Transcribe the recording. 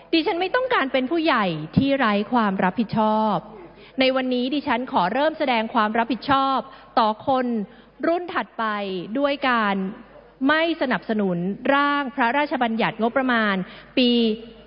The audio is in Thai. ฉันไม่ต้องการเป็นผู้ใหญ่ที่ไร้ความรับผิดชอบในวันนี้ดิฉันขอเริ่มแสดงความรับผิดชอบต่อคนรุ่นถัดไปด้วยการไม่สนับสนุนร่างพระราชบัญญัติงบประมาณปี